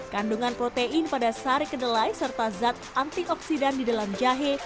kandungan protein pada sari kedelai serta zat antioksidan di dalam jahe